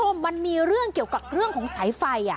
มันมีเรื่องเกี่ยวกับเรื่องของสายไฟ